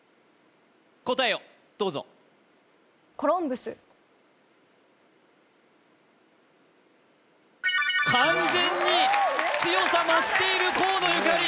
答えをどうぞ完全に強さ増している河野ゆかり